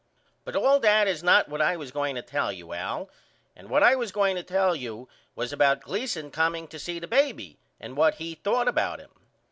But all that is not what I was going to tell you Al and what I was going to tell you was about Gleason comeing to see the baby and what he thought about him.